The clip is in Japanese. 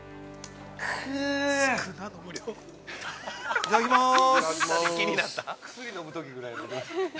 いただきます。